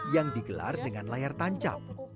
yang digelar dengan layar tancap